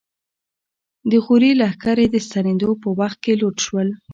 د غوري لښکرې د ستنېدو په وخت کې لوټ شول.